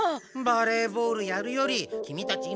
バレーボールやるよりキミたち